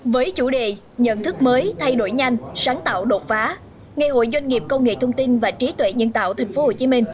với chủ đề nhận thức mới thay đổi nhanh sáng tạo đột phá ngày hội doanh nghiệp công nghệ thông tin và trí tuệ nhân tạo tp hcm